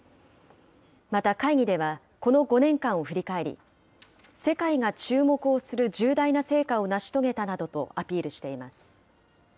また、会議ではこの５年間を振り返り、世界が注目をする重大な成果を成し遂げたなどとアピールしています。